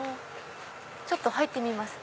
ちょっと入ってみます。